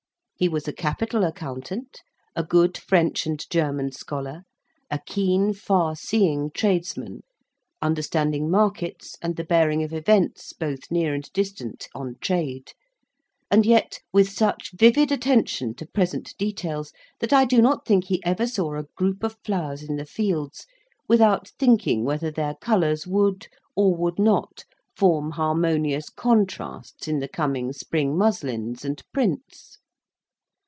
He was a capital accountant, a good French and German scholar, a keen, far seeing tradesman; understanding markets, and the bearing of events, both near and distant, on trade: and yet, with such vivid attention to present details, that I do not think he ever saw a group of flowers in the fields without thinking whether their colours would, or would not, form harmonious contrasts in the coming spring muslins and prints.